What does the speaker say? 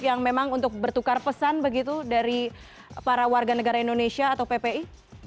yang memang untuk bertukar pesan begitu dari para warga negara indonesia atau ppi